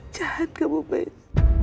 jahat kamu mas